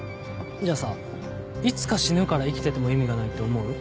じゃあさいつか死ぬから生きてても意味がないって思う？